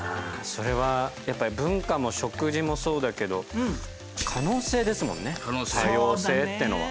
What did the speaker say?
それはやっぱ文化も食事もそうだけど可能性ですもんね多様性ってのは。